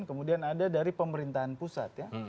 kemudian ada dari pemerintahan pusat ya